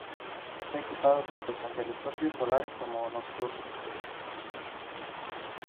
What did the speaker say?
Está equipado tanto con telescopios solares como nocturnos.